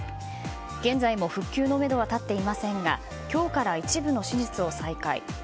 現在も復旧のめどは立っていませんが今日から一部の手術を再開。